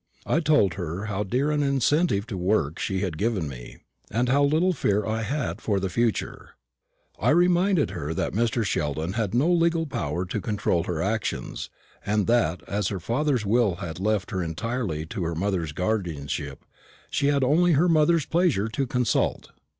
I told her how dear an incentive to work she had given me, and how little fear I had for the future. I reminded her that Mr. Sheldon had no legal power to control her actions, and that, as her father's will had left her entirely to her mother's guardianship, she had only her mother's pleasure to consult.